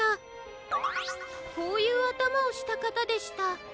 こういうあたまをしたかたでした。